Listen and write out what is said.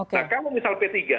nah kalau misal p tiga